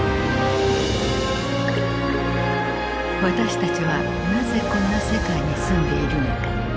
私たちはなぜこんな世界に住んでいるのか。